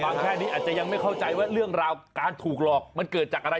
แค่นี้อาจจะยังไม่เข้าใจว่าเรื่องราวการถูกหลอกมันเกิดจากอะไร